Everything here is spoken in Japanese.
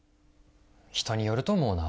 人によると思うな。